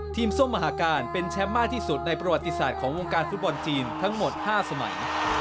ส้มมหาการเป็นแชมป์มากที่สุดในประวัติศาสตร์ของวงการฟุตบอลจีนทั้งหมด๕สมัย